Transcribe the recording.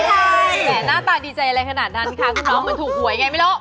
แหมหน้าตาดีใจอะไรขนาดนั้นค่ะคุณน้องมันถูกหวยไงไม่รู้